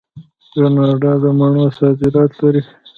کاناډا د مڼو صادرات لري.